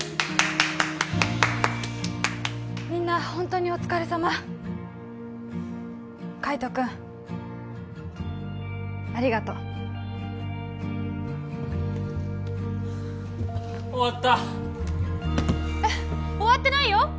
みんなホントにお疲れさま海斗君ありがとう終わった終わってないよ！